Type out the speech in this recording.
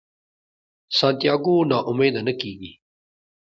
سانتیاګو نا امیده نه کیږي.